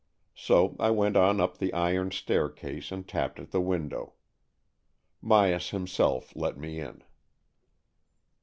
So I went on up the iron staircase, and tapped at the window. Myas himself let me in.